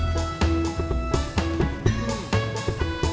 terima kasih kang iya sama sama